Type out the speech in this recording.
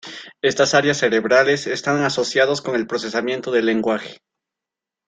Estas áreas cerebrales están asociadas con el procesamiento del lenguaje.